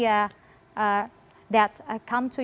yang datang ke anda